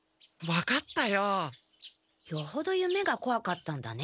よほど夢が怖かったんだね。